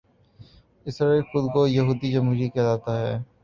اسرائیل خود کو یہودی جمہوریہ کہلاتا ہے